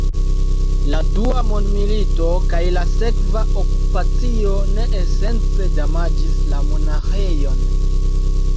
La dua mondmilito kaj la sekva okupacio ne esence damaĝis la monaĥejon.